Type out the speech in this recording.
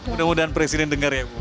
mudah mudahan presiden dengar ya bu